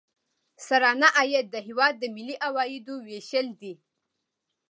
سرانه عاید د هیواد د ملي عوایدو ویشل دي.